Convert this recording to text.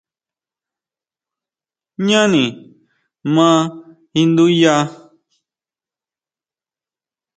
Jñáni ma induya.